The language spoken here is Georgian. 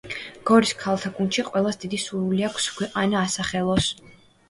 გორის ქალთა გუნდში ყველას დიდი სურვილი აქვს, ქვეყანა ასახელოს.